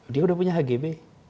dia sudah punya hgb